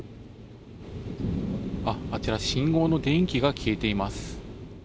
あっ、あちら信号の電気が消えています。